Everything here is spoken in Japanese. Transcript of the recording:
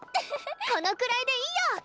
このくらいでいいよ！